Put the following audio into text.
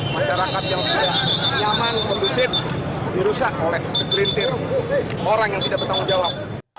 masyarakat yang sudah nyaman kondusif dirusak oleh segelintir orang yang tidak bertanggung jawab